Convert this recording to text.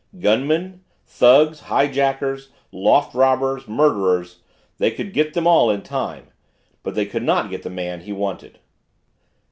Gunmen, thugs, hi jackers, loft robbers, murderers, they could get them all in time but they could not get the man he wanted.